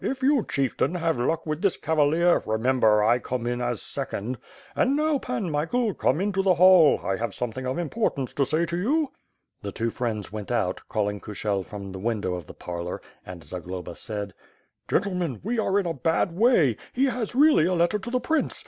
"If you, Chieftain, have luck with this cavalier, remember, I come in as second. And now. Pan Michael, come into the hall, I have something of importance to say to you." The two friends went out, calling Kushel from the window of the parlor; and Zagloba said: "Gentlemen, we are in a bad way; he has really a letter to the prince.